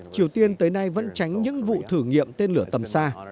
triều tiên tới nay vẫn tránh những vụ thử nghiệm tên lửa tầm xa